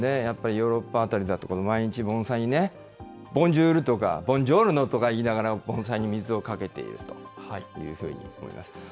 やっぱりヨーロッパ辺りだと、毎日盆栽にね、ボンジュールとか、ボンジョルノとか言いながら、盆栽に水をかけているというふうに思います。